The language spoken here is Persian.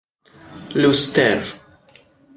لوستر